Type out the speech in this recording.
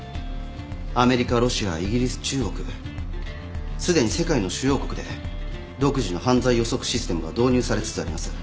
アメリカロシアイギリス中国すでに世界の主要国で独自の犯罪予測システムが導入されつつあります。